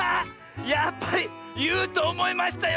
やっぱりいうとおもいましたよ